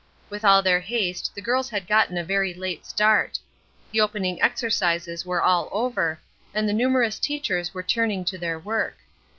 With all their haste the girls had gotten a very late start. The opening exercises were all over, and the numerous teachers were turning to their work.